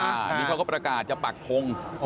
อันนี้เขาก็ประกาศจะปักทง